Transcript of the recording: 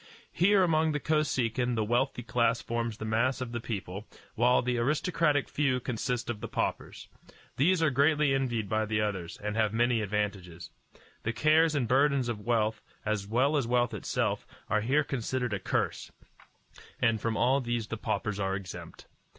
Here among the Kosekin the wealthy class forms the mass of the people, while the aristocratic few consist of the paupers. These are greatly envied by the others, and have many advantages. The cares and burdens of wealth, as well as wealth itself, are here considered a curse, and from all these the paupers are exempt.